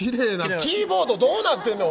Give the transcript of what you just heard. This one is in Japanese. キーボードどうなってんねん！